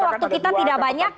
waktu kita tidak banyak